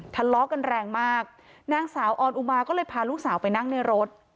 ทะเลาะกันแรงมากนางสาวออนอุมาก็เลยพาลูกสาวไปนั่งในรถ